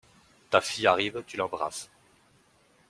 Ta fille arrive, tu l’embrasses…